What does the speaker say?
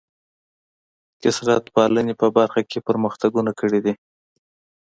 کثرت پالنې په برخه کې پرمختګونه کړي دي.